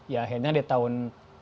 ya akhirnya di tahun dua ribu dua belas